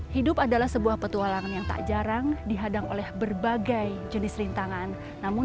hidup adalah sebuah petualangan yang tak jarang dihadang oleh berbagai jenis rintangan namun